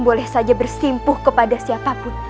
boleh saja bersimpuh kepada siapapun